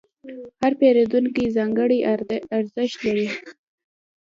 هر پیرودونکی ځانګړی ارزښت لري.